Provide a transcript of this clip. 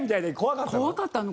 怖かったの。